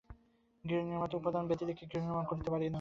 গৃহনির্মাতা উপাদান ব্যতিরেকে গৃহ নির্মাণ করিতে পারেন না।